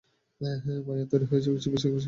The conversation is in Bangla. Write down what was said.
মায়া তৈরি হয় কিছু বিশেষ বিশেষ কারণে।